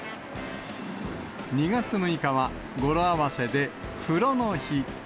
２月６日は語呂合わせで風呂の日。